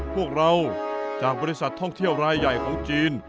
พวกเราจากบริษัทท่องเที่ยวรายใหญ่ของจีน